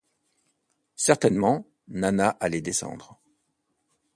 Certainement, Nana allait descendre.